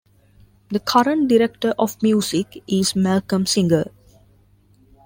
The current Director of Music is Malcolm Singer.